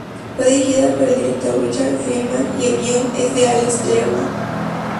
Fue dirigida por el director Richard Friedman y el guion es de Alex D´Lerma.